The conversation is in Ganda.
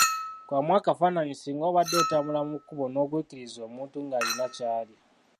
Kubamu akafaananyi singa obadde otambula mu kkubo nogwikiriza omuntu ng'alina kyalya.